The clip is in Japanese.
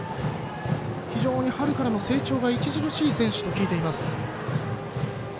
非常に春からの成長が著しい選手と聞いています。